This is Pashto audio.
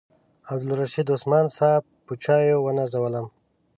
عبدالرشید عثمان صاحب په چایو ونازولم.